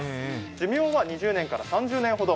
寿命は２０年から３０年ほど。